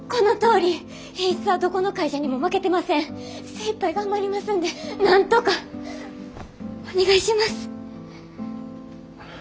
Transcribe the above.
精いっぱい頑張りますんでなんとか。お願いします。